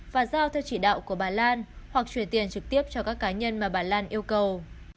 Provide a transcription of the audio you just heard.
và giao theo chỉ đạo của bà lan hoặc chuyển tiền trực tiếp cho các cá nhân mà bà lan yêu cầu